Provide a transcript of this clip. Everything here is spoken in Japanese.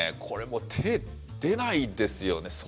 これもう手出ないですよね。